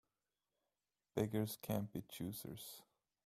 Beggars can't be choosers.